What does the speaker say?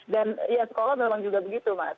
ya sekolah memang juga begitu mas